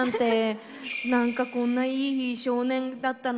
何かこんないい少年だったのに。